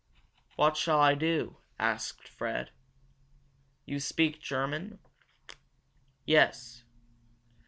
"What shall I do?" asked Fred. "You speak German?" "Yes."